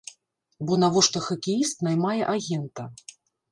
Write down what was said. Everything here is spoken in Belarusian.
Бо навошта хакеіст наймае агента?